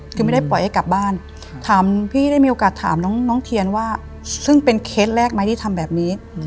คือไม่ได้ปล่อยให้กลับบ้านถามพี่ได้มีโอกาสถามน้องเทียนว่าซึ่งเป็นเคสแรกไหมที่ทำแบบนี้